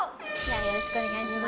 よろしくお願いします。